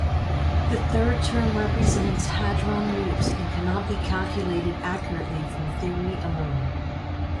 The third term represents hadron loops, and cannot be calculated accurately from theory alone.